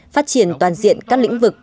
phát triển toàn diện các lĩnh vực